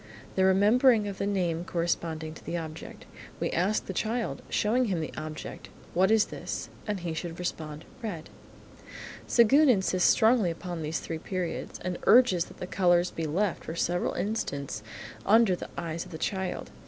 The remembering of the name corresponding to the object. We ask the child, showing him the object, "What is this?" and he should respond, "Red." Séguin insists strongly upon these three periods, and urges that the colours be left for several instants under the eyes of the child.